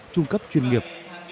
trung cấp chuyên nghiệp